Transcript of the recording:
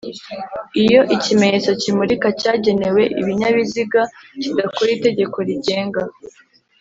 Iyo ikimenyetso kimurika cyagenewe ibinyabiziga kidakora itegeko rigenga